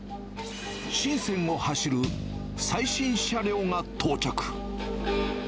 新線を走る最新車両が到着。